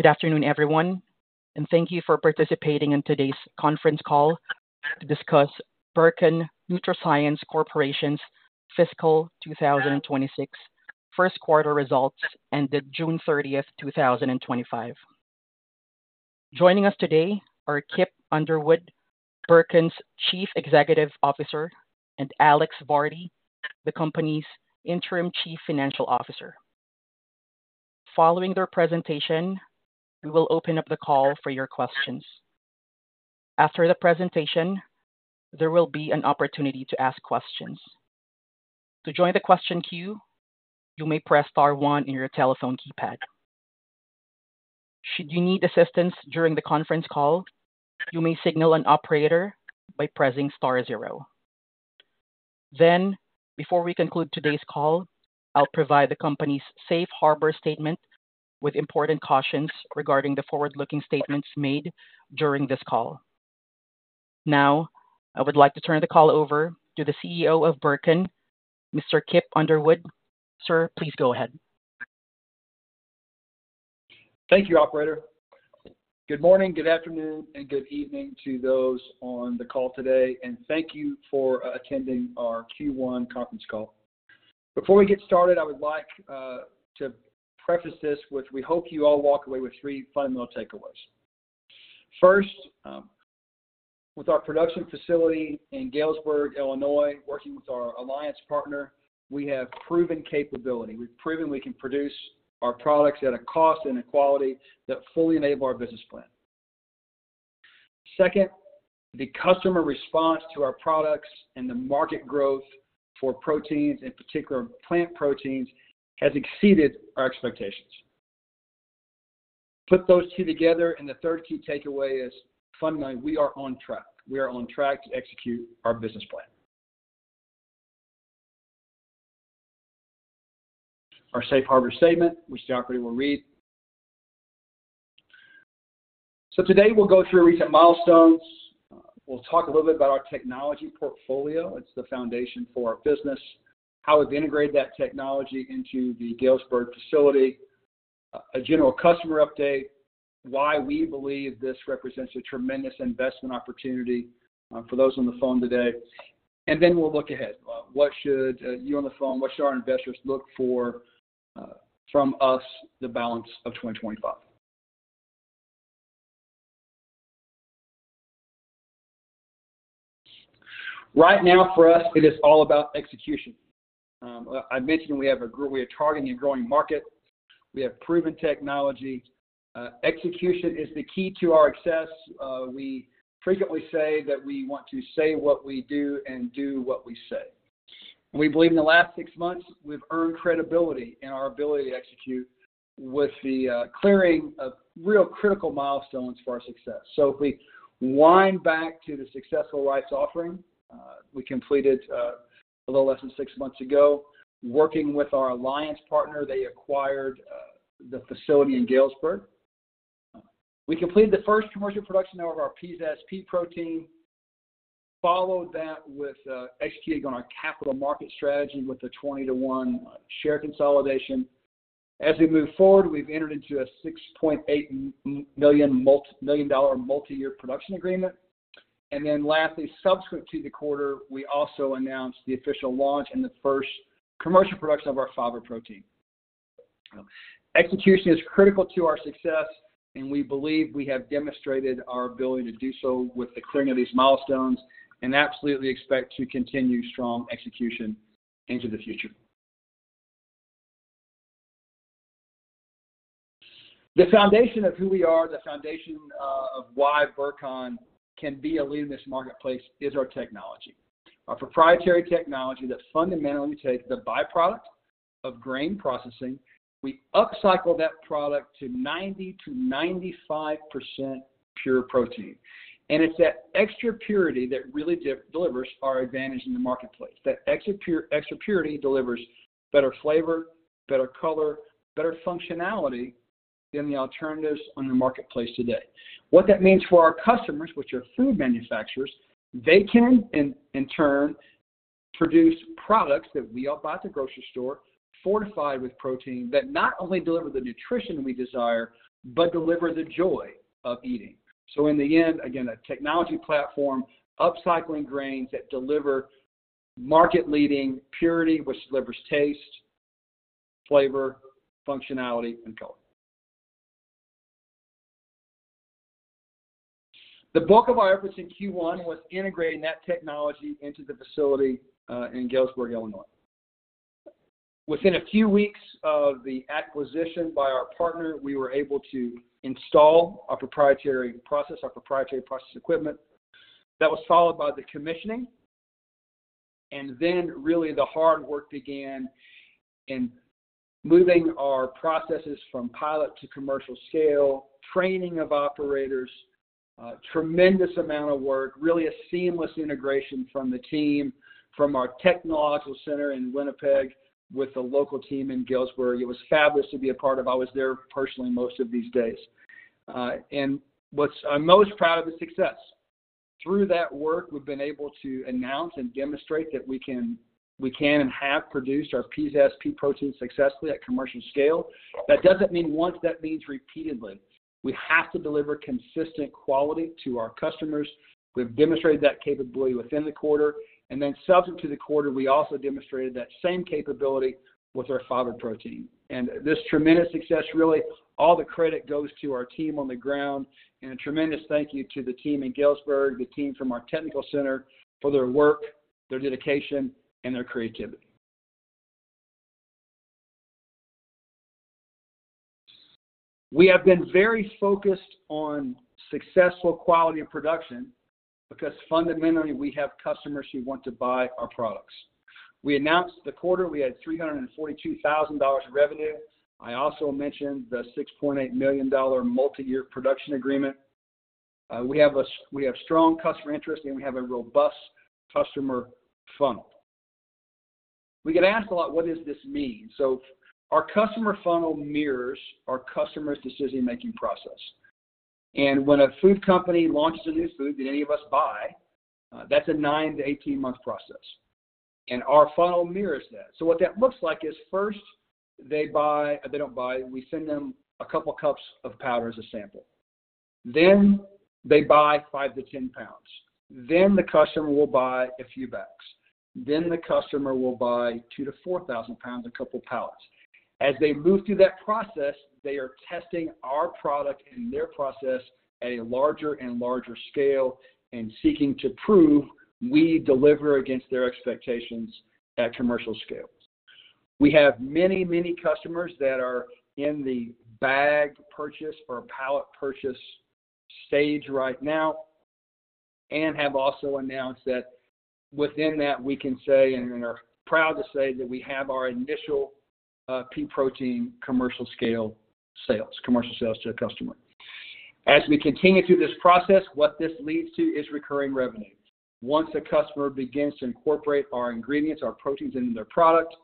Good afternoon, everyone, and thank you for participating in today's conference call to discuss Burcon NutraScience Corporation's fiscal 2026 first quarter results ended June 30, 2025. Joining us today are Kip Underwood, Burcon's Chief Executive Officer, and Alex Varty, the company's Interim Chief Financial Officer. Following their presentation, we will open up the call for your questions. After the presentation, there will be an opportunity to ask questions. To join the question queue, you may press star one on your telephone keypad. Should you need assistance during the conference call, you may signal an operator by pressing star zero. Before we conclude today's call, I'll provide the company's safe harbor statement with important cautions regarding the forward-looking statements made during this call. Now, I would like to turn the call over to the CEO of Burcon, Mr. Kip Underwood. Sir, please go ahead. Thank you, Operator. Good morning, good afternoon, and good evening to those on the call today, and thank you for attending our Q1 conference call. Before we get started, I would like to preface this with we hope you all walk away with three fundamental takeaways. First, with our production facility in Galesburg, Illinois, working with our alliance partner, we have proven capability. We've proven we can produce our products at a cost and a quality that fully enable our business plan. Second, the customer response to our products and the market growth for proteins, in particular plant proteins, has exceeded our expectations. Put those two together, and the third key takeaway is fundamentally, we are on track. We are on track to execute our business plan. Our safe harbor statement, which the operator will read. Today, we'll go through recent milestones. We'll talk a little bit about our technology portfolio. It's the foundation for our business, how we've integrated that technology into the Galesburg facility, a general customer update, why we believe this represents a tremendous investment opportunity for those on the phone today. We'll look ahead. What should you on the phone, what should our investors look for from us, the balance of 2025? Right now, for us, it is all about execution. I mentioned we have a growth, we are targeting a growing market. We have proven technology. Execution is the key to our success. We frequently say that we want to say what we do and do what we say. We believe in the last six months, we've earned credibility in our ability to execute with the clearing of real critical milestones for our success. If we wind back to the successful life’s offering, we completed a little less than six months ago, working with our alliance partner, they acquired the facility in Galesburg. We completed the first commercial production of our Peazazz pea protein, followed that with executing on our capital market strategy with the 20 to 1 share consolidation. As we move forward, we've entered into a $6.8 million multi-year production agreement. Lastly, subsequent to the quarter, we also announced the official launch and the first commercial production of our fiber protein. Execution is critical to our success, and we believe we have demonstrated our ability to do so with the clearing of these milestones and absolutely expect to continue strong execution into the future. The foundation of who we are, the foundation of why Burcon can be a lead in this marketplace is our technology. Our proprietary technology that fundamentally takes the byproduct of grain processing. We upcycle that product to 90%-95% pure protein. It's that extra purity that really delivers our advantage in the marketplace. That extra purity delivers better flavor, better color, better functionality than the alternatives on the marketplace today. What that means for our customers, which are food manufacturers, is they can, in turn, produce products that we all buy at the grocery store, fortified with protein that not only deliver the nutrition we desire, but deliver the joy of eating. In the end, again, a technology platform, upcycling grains that deliver market-leading purity, which delivers taste, flavor, functionality, and color. The bulk of our efforts in Q1 was integrating that technology into the facility in Galesburg, Illinois. Within a few weeks of the acquisition by our partner, we were able to install our proprietary process, our proprietary process equipment. That was followed by the commissioning. Really, the hard work began in moving our processes from pilot to commercial scale, training of operators, a tremendous amount of work, really a seamless integration from the team, from our technological center in Winnipeg with the local team in Galesburg. It was fabulous to be a part of. I was there personally most of these days. What I'm most proud of is the success. Through that work, we've been able to announce and demonstrate that we can, we can and have produced our Peazazz pea protein successfully at commercial scale. That doesn't mean once; that means repeatedly. We have to deliver consistent quality to our customers. We've demonstrated that capability within the quarter. Subsequent to the quarter, we also demonstrated that same capability with our fiber protein. This tremendous success, really, all the credit goes to our team on the ground. A tremendous thank you to the team in Galesburg, the team from our technical center for their work, their dedication, and their creativity. We have been very focused on successful quality of production because fundamentally, we have customers who want to buy our products. We announced the quarter; we had $342,000 revenue. I also mentioned the $6.8 million multi-year production agreement. We have strong customer interest, and we have a robust customer funnel. We get asked a lot, "What does this mean?" Our customer funnel mirrors our customer's decision-making process. When a food company launches a new food that any of us buy, that's a 9-18 month process. Our funnel mirrors that. What that looks like is first, they buy, they don't buy, we send them a couple of cups of powder as a sample. Then they buy 5-10 pounds. The customer will buy a few bags. The customer will buy 2,000-4,000 pounds, a couple of pallets. As they move through that process, they are testing our product and their process at a larger and larger scale and seeking to prove we deliver against their expectations at commercial scales. We have many, many customers that are in the bag purchase or pallet purchase stage right now and have also announced that within that, we can say, and are proud to say that we have our initial pea protein commercial scale sales, commercial sales to the customer. As we continue through this process, what this leads to is recurring revenue. Once a customer begins to incorporate our ingredients, our proteins into their product,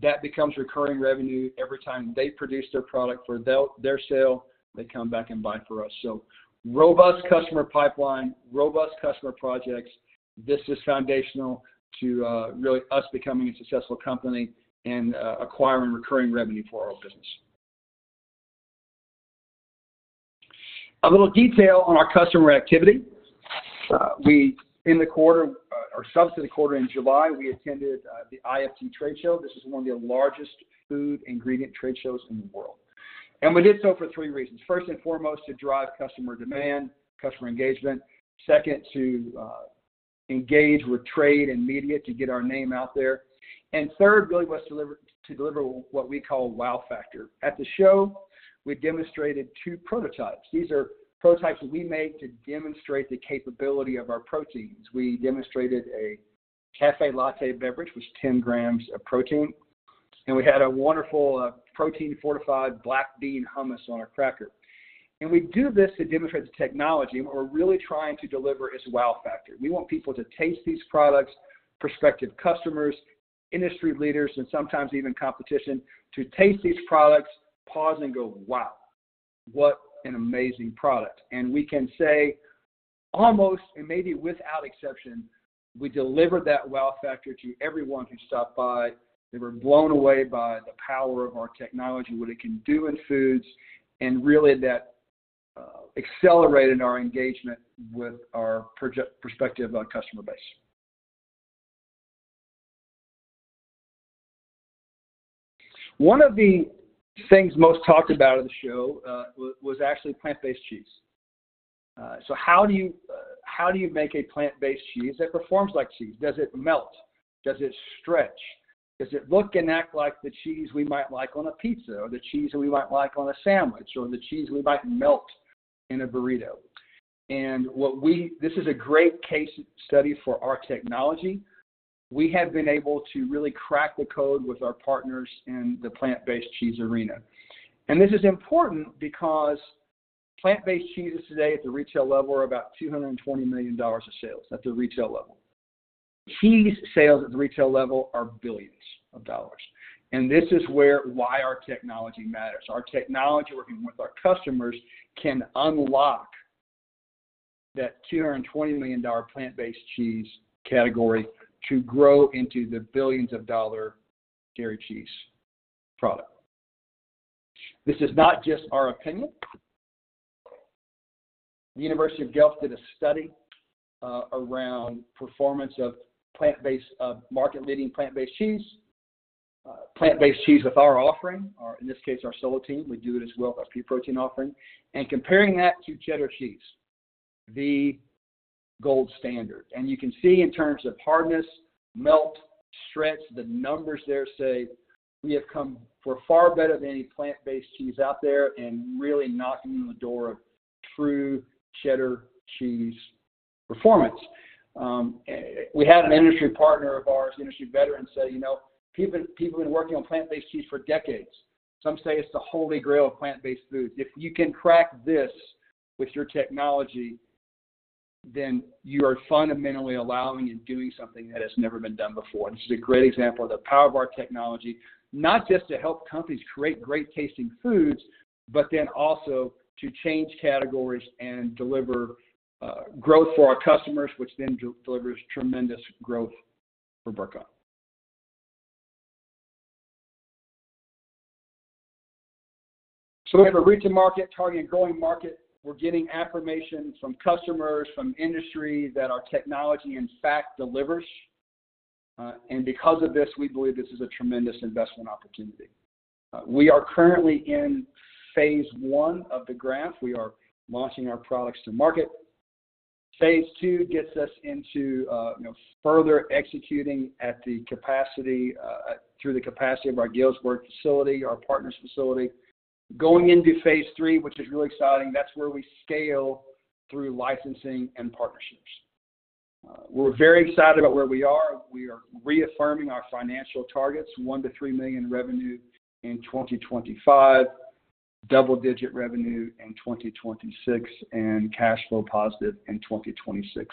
that becomes recurring revenue every time they produce their product for their sale, they come back and buy from us. Robust customer pipeline, robust customer projects, this is foundational to really us becoming a successful company and acquiring recurring revenue for our business. A little detail on our customer activity. In the quarter, or subsequent to the quarter in July, we attended the IFT trade show. This is one of the largest food ingredient trade shows in the world. We did so for three reasons. First and foremost, to drive customer demand, customer engagement. Second, to engage with trade and media to get our name out there. Third, really was to deliver what we call wow factor. At the show, we demonstrated two prototypes. These are prototypes we make to demonstrate the capability of our proteins. We demonstrated a café latte beverage, which is 10 g of protein. We had a wonderful protein fortified black bean hummus on a cracker. We do this to demonstrate the technology. What we're really trying to deliver is wow factor. We want people to taste these products, prospective customers, industry leaders, and sometimes even competition to taste these products, pause and go, "Wow. What an amazing product." We can say almost, and maybe without exception, we delivered that wow factor to everyone who stopped by. They were blown away by the power of our technology, what it can do in foods, and really that accelerated our engagement with our prospective customer base. One of the things most talked about at the show was actually plant-based cheese. How do you make a plant-based cheese that performs like cheese? Does it melt? Does it stretch? Does it look and act like the cheese we might like on a pizza or the cheese that we might like on a sandwich or the cheese we might melt in a burrito? This is a great case study for our technology. We have been able to really crack the code with our partners in the plant-based cheese arena. This is important because plant-based cheeses today at the retail level are about $220 million of sales at the retail level. Cheese sales at the retail level are billions of dollars. This is why our technology matters. Our technology working with our customers can unlock that $220 million plant-based cheese category to grow into the billions of dollar dairy cheese product. This is not just our opinion. The University of Guelph did a study around the performance of plant-based, market-leading plant-based cheese, plant-based cheese with our offering, or in this case, our sole team. We do it as well with our pea protein offering and comparing that to cheddar cheese, the gold standard. You can see in terms of hardness, melt, stretch, the numbers there say we have come far better than any plant-based cheese out there and really knocking in the door of true cheddar cheese performance. We had an industry partner of ours, the industry veteran, say, "You know, people have been working on plant-based cheese for decades. Some say it's the holy grail of plant-based food. If you can crack this with your technology, then you are fundamentally allowing and doing something that has never been done before." This is a great example of the power of our technology, not just to help companies create great tasting foods, but also to change categories and deliver growth for our customers, which then delivers tremendous growth for Burcon. We have a reaching market, targeting a growing market. We're getting affirmation from customers, from industry that our technology, in fact, delivers. Because of this, we believe this is a tremendous investment opportunity. We are currently in phase I of the graph. We are launching our products to market. Phase II gets us into further executing at the capacity, through the capacity of our Galesburg, Illinois facility, our partner's facility. Going into phase III, which is really exciting, that's where we scale through licensing and partnerships. We're very excited about where we are. We are reaffirming our financial targets: $1 million-$3 million revenue in 2025, double-digit revenue in 2026, and cash flow positive in 2026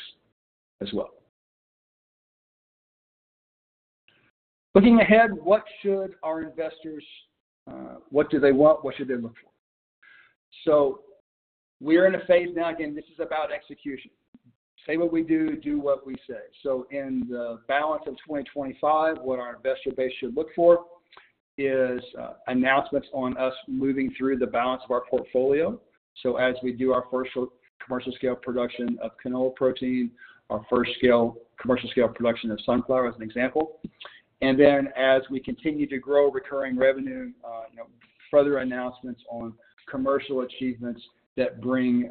as well. Looking ahead, what should our investors, what do they want? What should they look for? We are in a phase now. Again, this is about execution. Say what we do, do what we say. In the balance of 2025, what our investor base should look for is announcements on us moving through the balance of our portfolio. As we do our first commercial-scale production of canola protein, our first commercial-scale production of sunflower, as an example. As we continue to grow recurring revenue, further announcements on commercial achievements that bring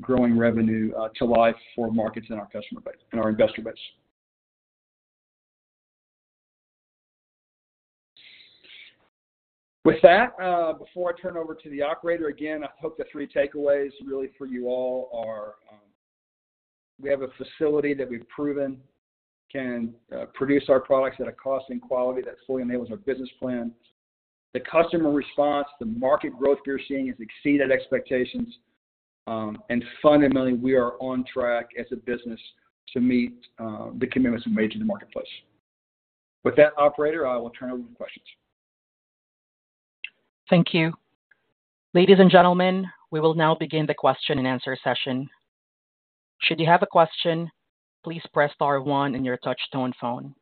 growing revenue to life for markets and our customer base and our investor base. With that, before I turn over to the operator, I hope the three takeaways really for you all are, we have a facility that we've proven can produce our products at a cost and quality that fully enables our business plan. The customer response, the market growth we're seeing has exceeded expectations. Fundamentally, we are on track as a business to meet the commitments we made to the marketplace. With that, operator, I will turn it over to questions. Thank you. Ladies and gentlemen, we will now begin the question and answer session. Should you have a question, please press star one on your touch-tone phone.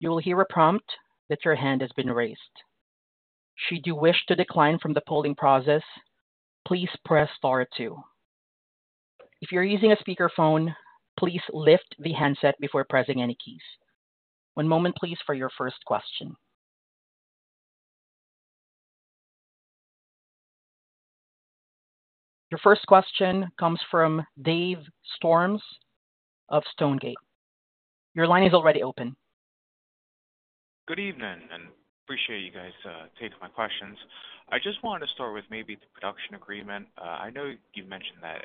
You will hear a prompt that your hand has been raised. Should you wish to decline from the polling process, please press star two. If you're using a speakerphone, please lift the handset before pressing any keys. One moment, please, for your first question. Your first question comes from Dave Storms of Stonegate. Your line is already open. Good evening, and I appreciate you guys taking my questions. I just wanted to start with maybe the production agreement. I know you mentioned that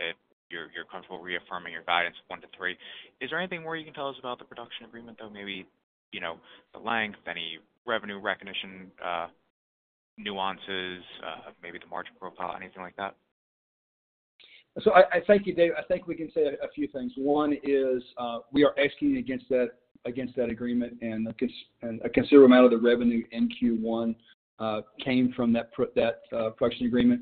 you're comfortable reaffirming your guidance one to three. Is there anything more you can tell us about the production agreement, though? Maybe the length, any revenue recognition nuances, maybe the market profile, anything like that? Thank you, Dave. I think we can say a few things. One is we are executing against that agreement, and a considerable amount of the revenue in Q1 came from that production agreement.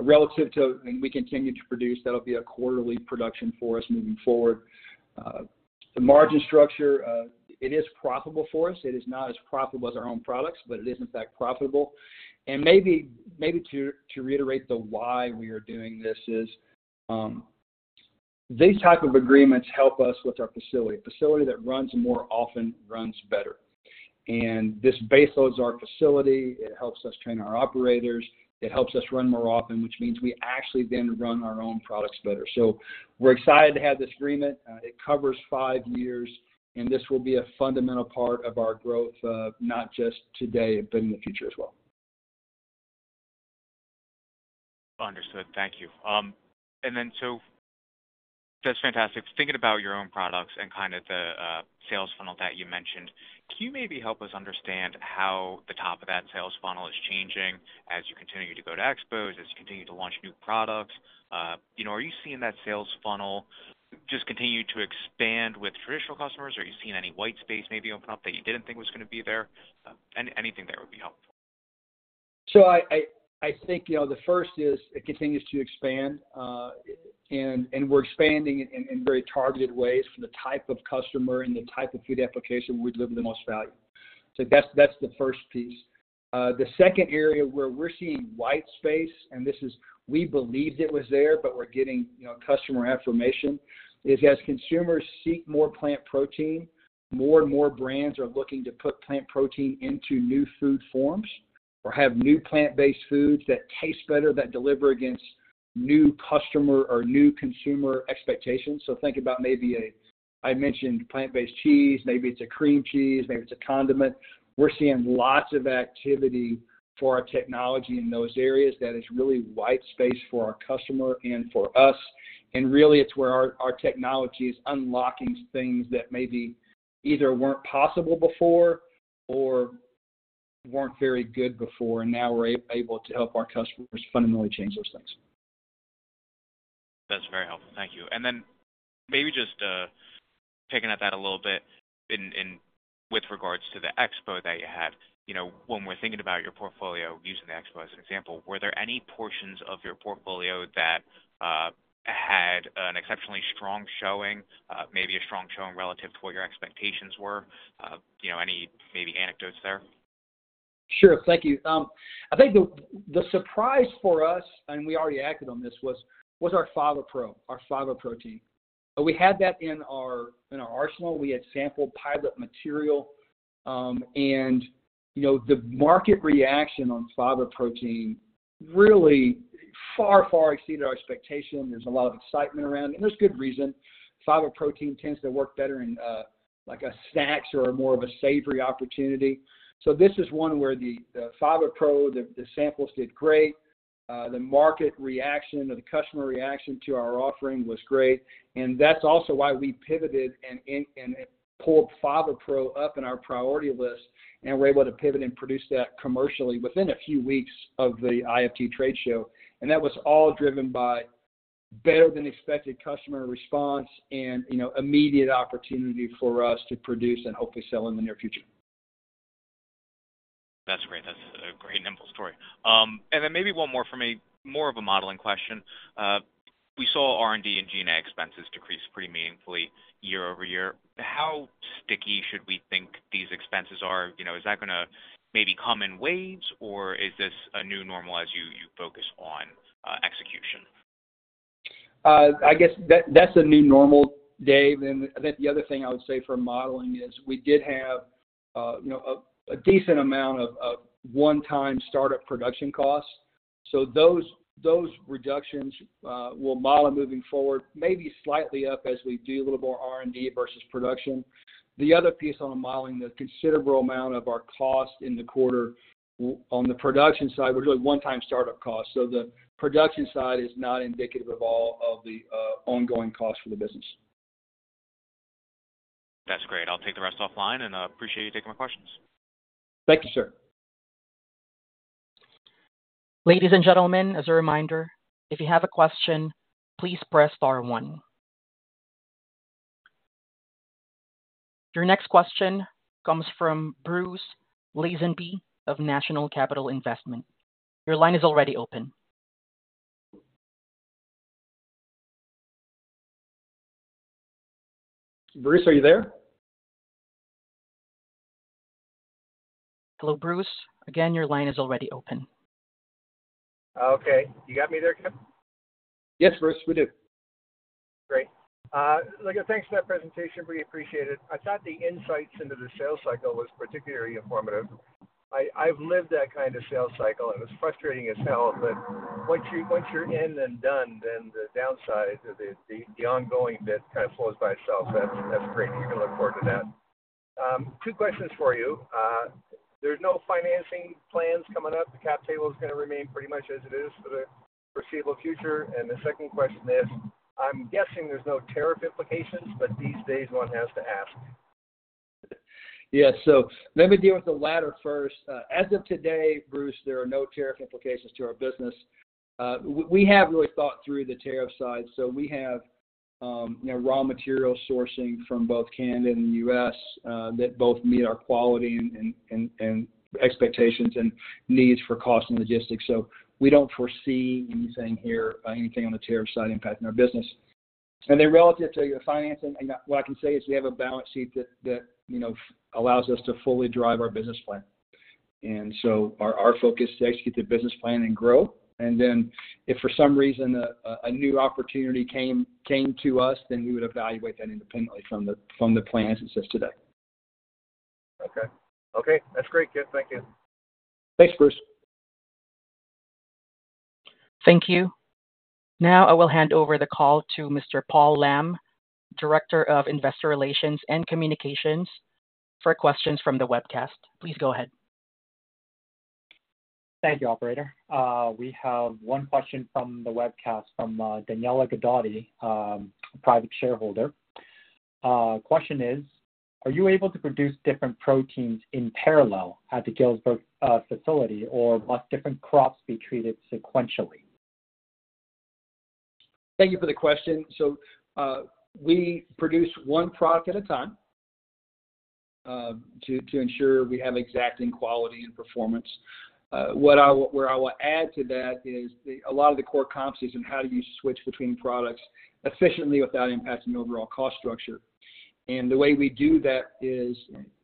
Relative to, and we continue to produce, that'll be a quarterly production for us moving forward. The margin structure, it is profitable for us. It is not as profitable as our own products, but it is, in fact, profitable. Maybe to reiterate the why we are doing this is these types of agreements help us with our facility. A facility that runs more often runs better. This baseloads our facility. It helps us train our operators. It helps us run more often, which means we actually then run our own products better. We are excited to have this agreement. It covers five years, and this will be a fundamental part of our growth, not just today, but in the future as well. Thank you. That's fantastic. Thinking about your own products and the sales funnel that you mentioned, can you maybe help us understand how the top of that sales funnel is changing as you continue to go to expos? As you continue to launch new products, are you seeing that sales funnel just continue to expand with traditional customers? Are you seeing any white space maybe open up that you didn't think was going to be there? Anything there would be helpful. I think the first is it continues to expand. We're expanding in very targeted ways for the type of customer and the type of food application we deliver the most value. That's the first piece. The second area where we're seeing white space, and we believed it was there, but we're getting customer affirmation, is as consumers seek more plant protein, more and more brands are looking to put plant protein into new food forms or have new plant-based foods that taste better, that deliver against new customer or new consumer expectations. Think about maybe a, I mentioned plant-based cheese, maybe it's a cream cheese, maybe it's a condiment. We're seeing lots of activity for our technology in those areas that is really white space for our customer and for us. It's where our technology is unlocking things that maybe either weren't possible before or weren't very good before, and now we're able to help our customers fundamentally change those things. That's very helpful. Thank you. Maybe just picking up that a little bit with regards to the expo that you had. You know, when we're thinking about your portfolio, using the expo as an example, were there any portions of your portfolio that had an exceptionally strong showing, maybe a strong showing relative to what your expectations were? Any maybe anecdotes there? Sure. Thank you. I think the surprise for us, and we already acted on this, was our fiber protein. We had that in our arsenal. We had sampled pilot material. You know, the market reaction on fiber protein really far, far exceeded our expectation. There's a lot of excitement around it, and there's good reason. Fiber protein tends to work better in like snacks or more of a savory opportunity. This is one where the fiber protein, the samples did great. The market reaction or the customer reaction to our offering was great. That's also why we pivoted and pulled fiber protein up in our priority list, and we're able to pivot and produce that commercially within a few weeks of the IFT trade show. That was all driven by better-than-expected customer response and, you know, immediate opportunity for us to produce and hopefully sell in the near future. That's great. That's a great nimble story. Maybe one more for me, more of a modeling question. We saw R&D and G&A expenses decrease pretty meaningfully year over year. How sticky should we think these expenses are? Is that going to maybe come in waves, or is this a new normal as you focus on execution? I guess that's a new normal, Dave. I think the other thing I would say for modeling is we did have a decent amount of one-time startup production costs. Those reductions will model moving forward, maybe slightly up as we do a little more R&D versus production. The other piece on the modeling, the considerable amount of our cost in the quarter on the production side was really one-time startup costs. The production side is not indicative of all of the ongoing costs for the business. That's great. I'll take the rest offline, and I appreciate you taking my questions. Thank you, sir. Ladies and gentlemen, as a reminder, if you have a question, please press star one. Your next question comes from Bruce Lazenby of National Capital Investment. Your line is already open. Bruce, are you there? Hello, Bruce. Your line is already open. Okay, you got me there, Kip? Yes, Bruce, we do. Great. Thanks for that presentation. We appreciate it. I thought the insights into the sales cycle were particularly informative. I've lived that kind of sales cycle. It was frustrating as hell, but once you're in and done, the downside, the ongoing, that kind of flows by itself, that's great. You can look forward to that. Two questions for you. There's no financing plans coming up. The cap table is going to remain pretty much as it is for the foreseeable future. The second question is, I'm guessing there's no tariff implications, but these days, one has to ask. Let me deal with the latter first. As of today, Bruce, there are no tariff implications to our business. We have really thought through the tariff side. We have raw material sourcing from both Canada and the U.S. that both meet our quality and expectations and needs for cost and logistics. We don't foresee anything here, anything on the tariff side impacting our business. Relative to financing, what I can say is we have a balance sheet that allows us to fully drive our business plan. Our focus is to execute the business plan and grow. If for some reason a new opportunity came to us, then we would evaluate that independently from the plans and since today. Okay. Okay. That's great, Kip. Thank you. Thanks, Bruce. Thank you. Now, I will hand over the call to Mr. Paul Lam, Director of Investor Relations and Communications, for questions from the webcast. Please go ahead. Thank you, Operator. We have one question from the webcast from Daniela Gadotti, a private shareholder. The question is, are you able to produce different proteins in parallel at the Galesburg facility, or must different crops be treated sequentially? Thank you for the question. We produce one product at a time to ensure we have exacting quality and performance. What I will add to that is a lot of the core comps is in how do you switch between products efficiently without impacting the overall cost structure. The way we do that is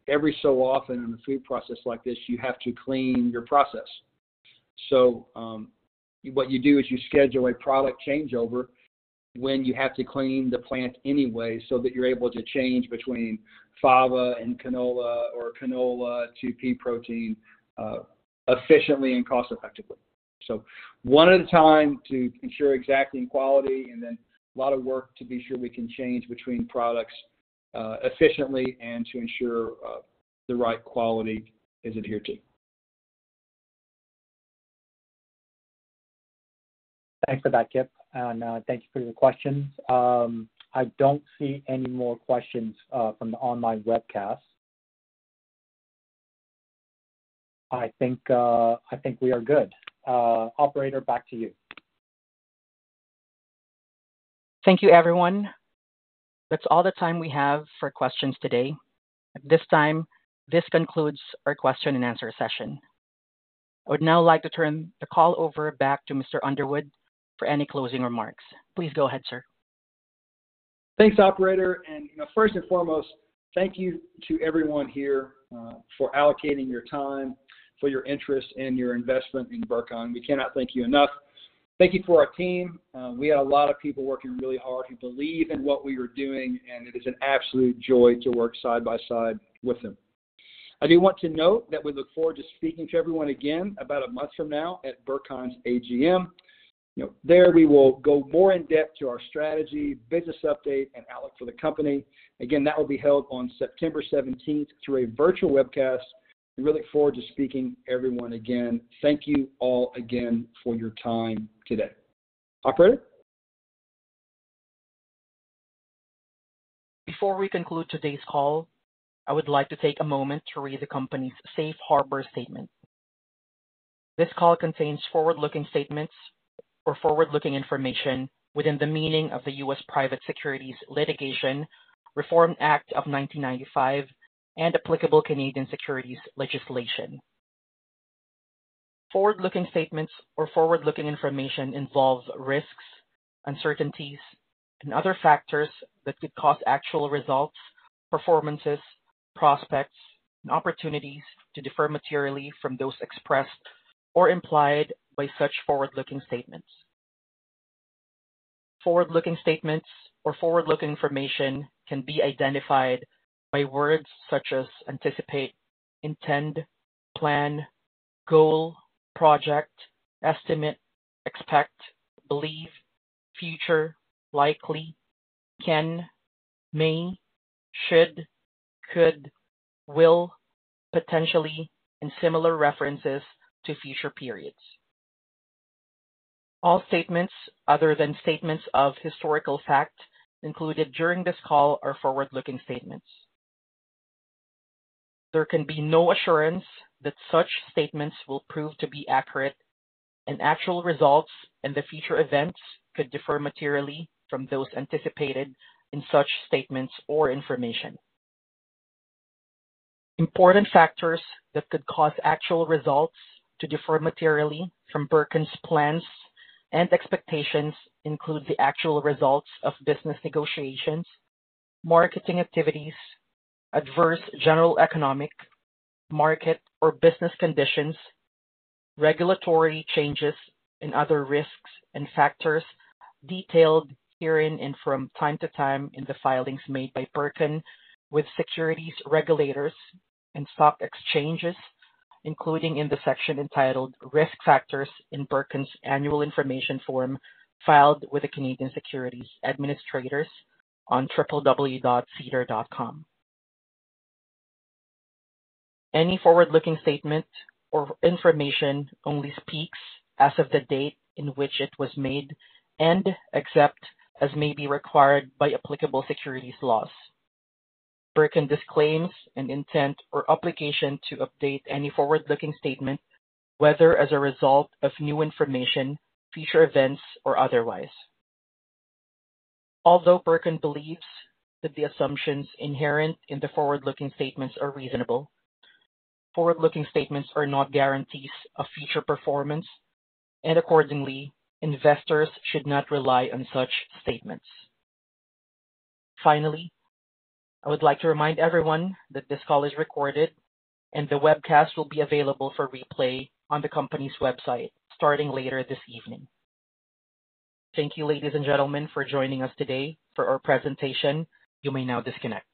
every so often in a food process like this, you have to clean your process. What you do is you schedule a product changeover when you have to clean the plant anyway, so that you're able to change between fava and canola or canola to pea protein efficiently and cost-effectively. One at a time to ensure exacting quality and then a lot of work to be sure we can change between products efficiently and to ensure the right quality is adhered to. Thanks for that, Kip. Thank you for the questions. I don't see any more questions from the online webcast. I think we are good. Operator, back to you. Thank you, everyone. That's all the time we have for questions today. At this time, this concludes our question and answer session. I would now like to turn the call back to Mr. Underwood for any closing remarks. Please go ahead, sir. Thanks, Operator. First and foremost, thank you to everyone here for allocating your time, for your interest, and your investment in Burcon. We cannot thank you enough. Thank you for our team. We had a lot of people working really hard who believe in what we are doing, and it is an absolute joy to work side by side with them. I do want to note that we look forward to speaking to everyone again about a month from now at Burcon's AGM. There we will go more in depth to our strategy, business update, and outlook for the company. That will be held on September 17th through a virtual webcast. We really look forward to speaking to everyone again. Thank you all again for your time today. Operator? Before we conclude today's call, I would like to take a moment to read the company's safe harbor statement. This call contains forward-looking statements or forward-looking information within the meaning of the U.S. Private Securities Litigation Reform Act of 1995 and applicable Canadian securities legislation. Forward-looking statements or forward-looking information involves risks, uncertainties, and other factors that could cause actual results, performances, prospects, and opportunities to differ materially from those expressed or implied by such forward-looking statements. Forward-looking statements or forward-looking information can be identified by words such as anticipate, intend, plan, goal, project, estimate, expect, believe, future, likely, can, may, should, could, will, potentially, and similar references to future periods. All statements other than statements of historical fact included during this call are forward-looking statements. There can be no assurance that such statements will prove to be accurate, and actual results and the future events could differ materially from those anticipated in such statements or information. Important factors that could cause actual results to differ materially from Burcon's plans and expectations include the actual results of business negotiations, marketing activities, adverse general economic market or business conditions, regulatory changes, and other risks and factors detailed herein and from time to time in the filings made by Burcon with securities regulators and stock exchanges, including in the section entitled Risk Factors in Burcon's Annual Information Form filed with the Canadian Securities Administrators on www.cedar.com. Any forward-looking statement or information only speaks as of the date in which it was made and except as may be required by applicable securities laws. Burcon disclaims an intent or obligation to update any forward-looking statement, whether as a result of new information, future events, or otherwise. Although Burcon believes that the assumptions inherent in the forward-looking statements are reasonable, forward-looking statements are not guarantees of future performance, and accordingly, investors should not rely on such statements. Finally, I would like to remind everyone that this call is recorded, and the webcast will be available for replay on the company's website starting later this evening. Thank you, ladies and gentlemen, for joining us today for our presentation. You may now disconnect.